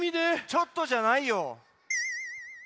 ちょっとじゃない。